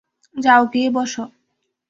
যাও গিয়ে বসো।